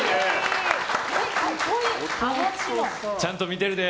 ちゃんと見てるで！